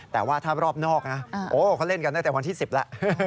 แต่ว่าถ้ารอบนอกนะโอ้เขาเล่นกันตั้งแต่วันที่๑๐แล้ว